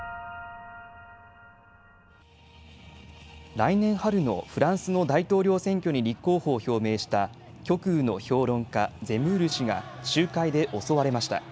来年春のフランスの大統領選挙に立候補を表明した極右の評論家、ゼムール氏が集会で襲われました。